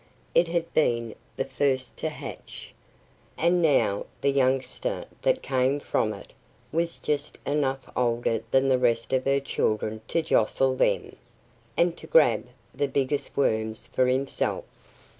It had been the first to hatch. And now the youngster that came from it was just enough older than the rest of her children to jostle them, and to grab the biggest worms for himself.